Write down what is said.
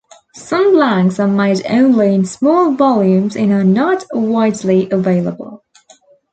Some blanks are made only in small volumes and are not widely available.